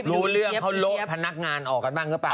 รู้เรื่องเขาโละพนักงานออกกันบ้างหรือเปล่า